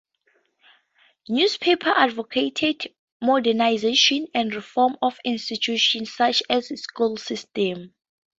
Newspapers advocated modernization and reform of institutions such as the school system.